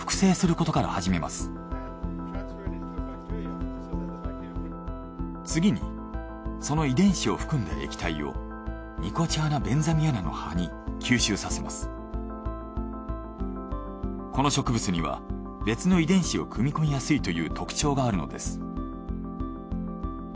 この植物には別の遺伝子を組み込みやすいという特徴があるのです。